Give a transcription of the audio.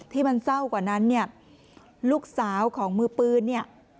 ที่มันเศร้ากว่านั้นเนี่ยลูกสาวของมือปืนเนี่ย